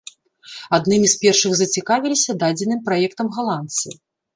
Аднымі з першых зацікавіліся дадзеным праектам галандцы.